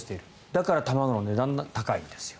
だから卵の値段が高いんですよ。